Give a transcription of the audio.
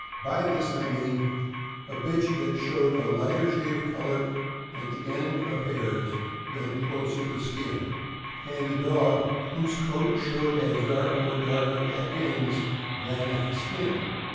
By this I mean a bitch that showed a lighter shade of color at the end of hairs than close to the skin, and a dog whose coat showed as dark or darker at ends than at the skin.